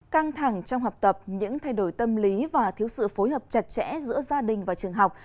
căng thẳng trong học tập những thay đổi tâm lý và thiếu sự phối hợp chặt chẽ giữa gia đình và trường học